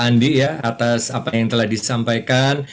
andi ya atas apa yang telah disampaikan